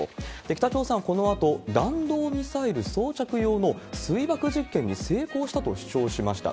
北朝鮮はそのあと弾道ミサイル装着用の水爆実験に成功したと主張しました。